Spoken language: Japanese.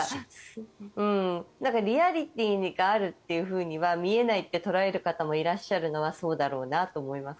リアリティーがあるとは見えないと捉える方もいらっしゃるのはそうだろうなとは思います。